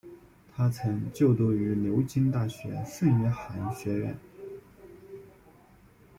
他曾就读于牛津大学圣约翰学院。